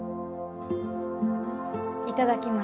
いただきます